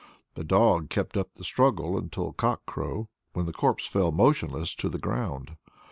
The dog kept up the struggle until cock crow, when the corpse fell motionless to the ground.